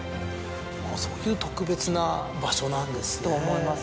そういう特別な場所なんですね。と思います